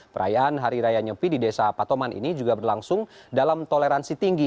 perayaan hari raya nyepi di desa patoman ini juga berlangsung dalam toleransi tinggi